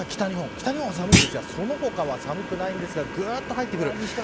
北日本は寒いですがその他は寒くないんですがぐっと入ってくる。